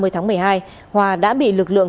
ba mươi tháng một mươi hai hòa đã bị lực lượng